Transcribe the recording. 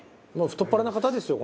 「太っ腹な方ですよ